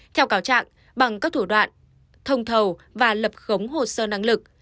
theo cáo trạng bằng các thủ đoạn thông thầu và lập khống hồ sơ năng lực